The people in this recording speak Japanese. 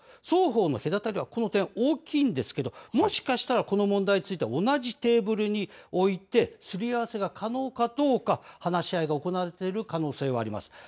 双方の隔たりはこの点、大きいんですけど、もしかしたらこの問題については、同じテーブルにおいて、すり合わせが可能かどうか、話し合いが行われている可能性はあります。